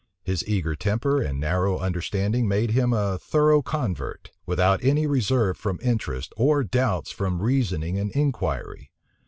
His eager temper and narrow understanding made him a thorough convert, without any reserve from interest, or doubts from reasoning and inquiry.